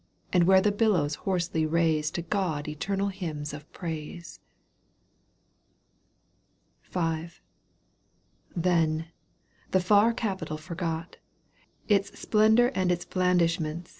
And where the billows hoarsely raise To God eternal hymns of praise. Then, the far capital forgot, Its splendour and its blandishments.